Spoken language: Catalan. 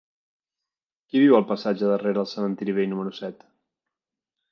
Qui viu al passatge de Rere el Cementiri Vell número set?